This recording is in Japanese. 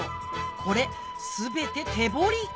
これ全て手堀り！